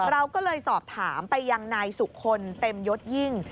เราก็เลยสอบถามไปยังนายสุคลเต็มยศยิ่ง